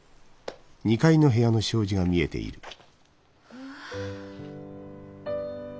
うわ。